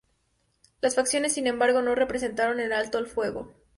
Las facciones, sin embargo, no respetaron el alto el fuego.